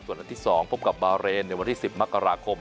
ส่วนนัดที่๒พบกับบาเรนในวันที่๑๐มกราคม